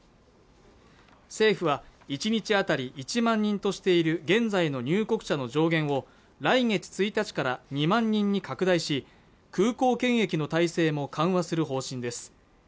政府は１日あたり１万人としている現在の入国者の上限を来月１日から２万人に拡大し空港検疫の体制も緩和する方針です